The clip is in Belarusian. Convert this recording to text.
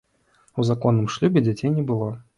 У законным шлюбе дзяцей не было.